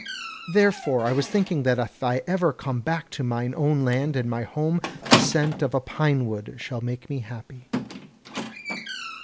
Therefore I was thinking that if ever I come back to mine own land and my home, the scent of a pine wood shall make me happy."